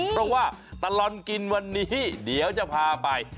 เพราะว่าตลอดกินวันนี้เดี๋ยวจะพาไป